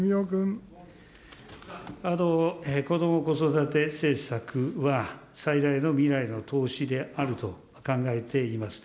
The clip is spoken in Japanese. こども・子育て政策は、最大の未来の投資であると考えています。